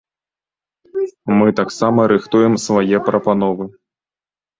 Мы таксама рыхтуем свае прапановы.